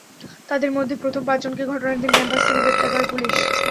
তাঁদের মধ্যে প্রথম পাঁচজনকে ঘটনার দিন ক্যাম্পাস থেকে গ্রেপ্তার করে পুলিশ।